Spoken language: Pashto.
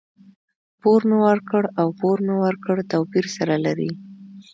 پور مي ورکړ او پور مې ورکړ؛ توپير سره لري.